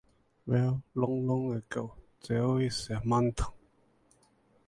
Light is a gay rights activist and helped former Who's the Boss?